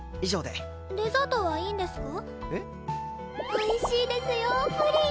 おいしいですよプリン！